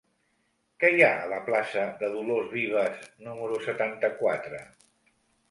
Què hi ha a la plaça de Dolors Vives número setanta-quatre?